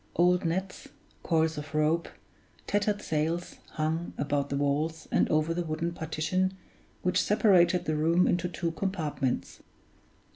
Old nets, coils of rope, tattered sails, hung, about the walls and over the wooden partition which separated the room into two compartments.